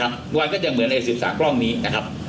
สะดับสมุนอะไรกับตัวเหตุการณ์ได้บ้างไหมครับ